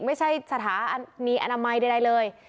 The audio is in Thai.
ไม่ใช่สถานีอนามัยใดเลย